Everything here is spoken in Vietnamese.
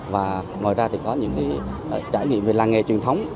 và ngoài ra thì có những trải nghiệm về làng nghề truyền thống